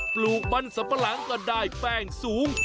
ปลูกบรรสับปรังก็ได้แป้งสูง